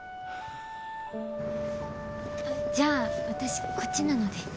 じゃあ私こっちなので。